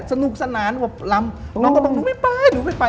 สนุกสนานอบลำน้องก็บอกหนูไม่ไปหนูไม่ไป